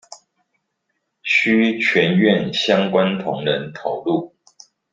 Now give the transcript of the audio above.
需全院相關同仁投入